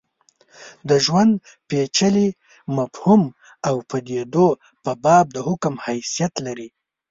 د ژوند پېچلي مفهوم او پدیدو په باب د حکم حیثیت لري.